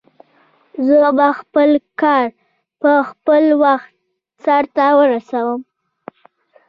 زه به خپل کار په خپل وخت سرته ورسوم